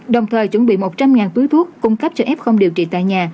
đồng thời chuẩn bị một trăm linh túi thuốc cung cấp cho f không điều trị tại nhà